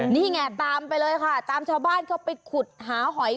นี่ไงตามไปเลยค่ะตามชาวบ้านเข้าไปขุดหาหอย